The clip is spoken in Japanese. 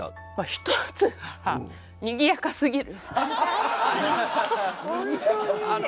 一つはにぎやかすぎる。